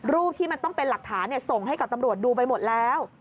รูปที่มันต้องเป็นหลักฐานส่งให้กับตำรวจดูไปหมดแล้ว